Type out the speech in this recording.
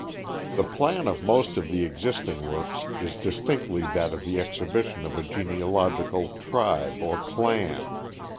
The plan of most of the existing works is distinctly that of the exhibition of a genealogical tribe or clan.